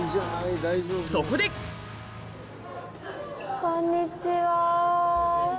そこでこんにちは。